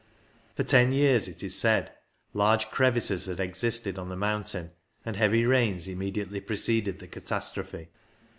For ten years, it is said, large crevices had existed on the mountain, and heavy rains im mediately preceded the catastrophe.